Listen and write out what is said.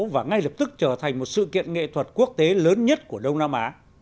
và ngay lập tức trở thành một sự kiện nghệ thuật quốc tế lớn nhất của đông nam á